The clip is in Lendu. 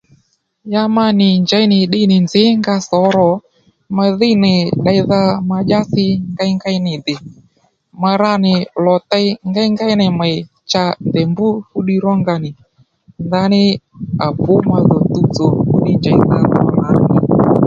Ya ma nì njey nì ddiy nì nzǐ nga tho ro ma dhíy nì ddeydha ma dyási ngéyngéy nì dè mà ra nì lò tey ngéyngéy nì mèy ma dyási dè cha ndèy mbr fú ddiy rónga nì ndaní à pǔ madhò tuwtsò fúddiy njèydha mî